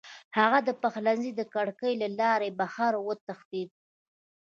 هغه د پخلنځي د کړکۍ له لارې بهر وتښتېد.